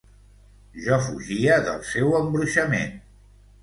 Jo fugia del seu embruixament.